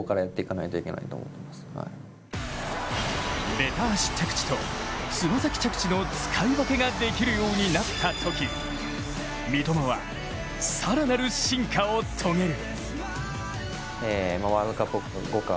べた足着地と爪先着地の使い分けができるようになったとき三笘は更なる進化を遂げる。